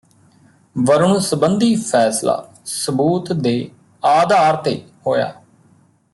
ਵਰੁਣ ਸਬੰਧੀ ਫੈ਼ਸਲਾ ਸਬੂਤ ਦੇ ਆਧਾਰ ਤੇ ਹੋਇਆ